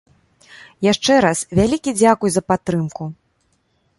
Яшчэ раз вялікі дзякуй за падтрымку!